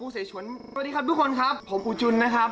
สวัสดีครับทุกคนครับผมอู๋จุลนะครับ